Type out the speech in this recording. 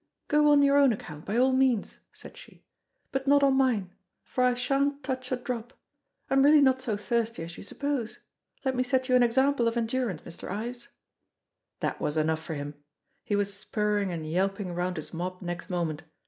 "Go on your own account, by all means," said she; "but not on mine, for I shan't touch a drop. I'm really not so thirsty as you suppose; let me set you an example of endurance, Mr. Ives!" That was enough for him. He was spurring and yelping round his mob next moment.